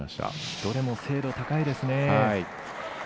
どれも精度、高いですね。